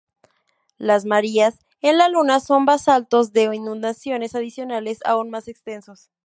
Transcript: Las marías en la Luna son basaltos de inundación adicionales, aún más extensos.